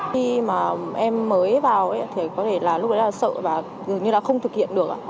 khi mà em mới vào thì có thể là lúc đấy là sợ và dường như là không thực hiện được ạ